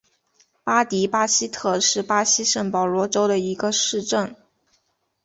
巴迪巴西特是巴西圣保罗州的一个市镇。